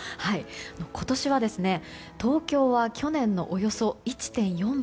今年は東京は去年の、およそ１．４倍。